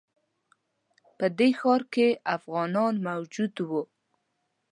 په دې ښار کې افغانان موجود وای.